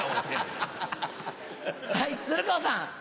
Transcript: はい、鶴光さん。